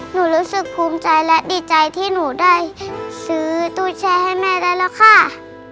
รู้สึกภูมิใจและดีใจที่หนูได้ซื้อตู้แชร์ให้แม่ได้แล้วค่ะ